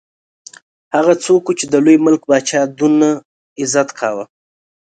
هغه څوک وو چې د لوی ملک پاچا یې دونه عزت کاوه.